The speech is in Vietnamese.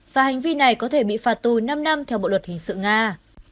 và hành vi này có thể bị phạt tù năm năm theo bộ luật hình sự nga